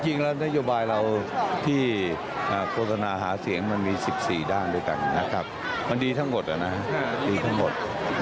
นโยบายเราที่โฆษณาหาเสียงมันมี๑๔ด้านด้วยกันนะครับมันดีทั้งหมดดีทั้งหมด